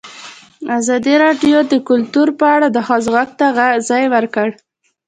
ازادي راډیو د کلتور په اړه د ښځو غږ ته ځای ورکړی.